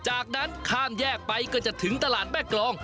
จากนั้นข้ามแยกไปก็จะถึงตลาดแม่กรอง